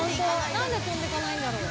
何で飛んでかないんだろう？